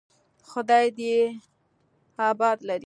خداى دې يې اباد لري.